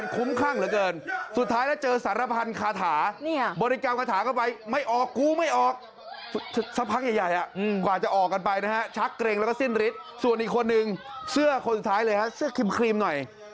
คนสุดท้ายเลยครับเสื้อครีมหน่อย